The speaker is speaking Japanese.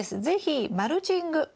是非マルチング